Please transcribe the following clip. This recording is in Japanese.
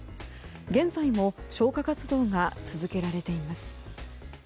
現在も消火活動が続けられています。